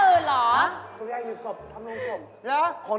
สุริยาหีบศพทำรุงศพ